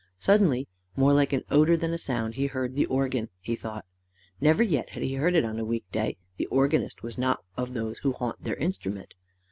Suddenly, more like an odour than a sound, he heard the organ, he thought. Never yet had he heard it on a week day: the organist was not of those who haunt their instrument.